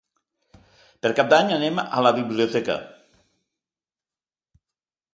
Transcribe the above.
Per Cap d'Any anem a la biblioteca.